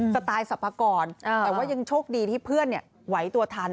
สไตล์สรรพากรแต่ว่ายังโชคดีที่เพื่อนไหวตัวทัน